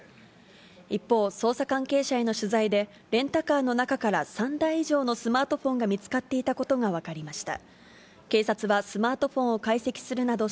一方、捜査関係者への取材で、レンタカーの中から３台以上のスマートフォンが見つかっていたことが分かりました。